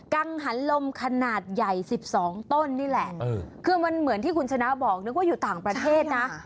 กังหันลมขนาดใหญ่๑๒ต้นคือเหมือนที่คุณชนะบอกอยู่ต่างประเทศนะ